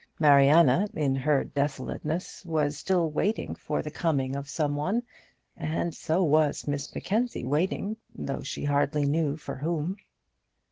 Mariana, in her desolateness, was still waiting for the coming of some one; and so was Miss Mackenzie waiting, though she hardly knew for whom.